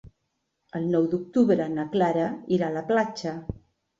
El nou d'octubre na Clara irà a la platja.